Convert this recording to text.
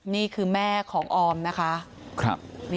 นี่คือแม่ของออมนะคะ